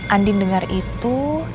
andin dengar itu